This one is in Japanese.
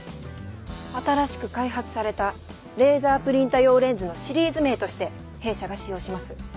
新しく開発されたレーザープリンタ用レンズのシリーズ名として弊社が使用します。